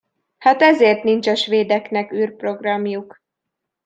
Hát ezért nincs a svédeknek űrprogramjuk.